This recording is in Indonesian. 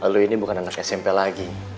lu ini bukan anak smp lagi